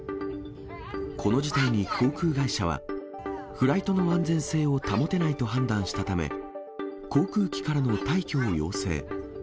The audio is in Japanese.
この事態に航空会社は、フライトの安全性を保てないと判断したため、航空機からの退去を要請。